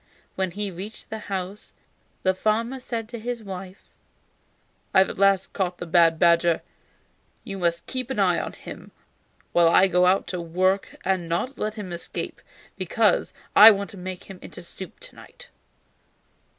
When he reached the house the farmer said to his wife: "I have at last caught the bad badger. You must keep an eye on him while I am out at work and not let him escape, because I want to make him into soup to night."